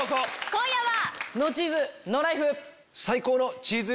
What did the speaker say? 今夜は！